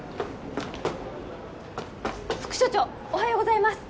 副署長おはようございます！